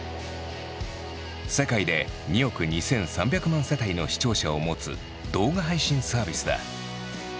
世界で２億２，３００万世帯の視聴者を持つ動画配信サービスだ。